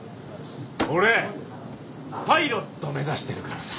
俺パイロット目指してるからさ！